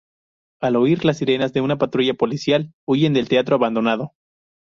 Al oír las sirenas de una patrulla policial, huyen del teatro abandonado.